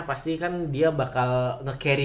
pasti kan dia bakal nge carry